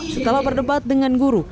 setelah berdebat dengan guru